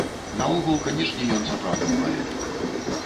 Наогул, канечне, ён сапраўдны паэт.